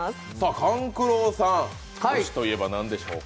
勘九郎さん、推しといえば何でしょうか？